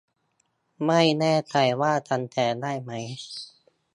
ไม่แน่ใจว่าทำแทนได้ไหม